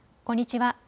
こんにちは。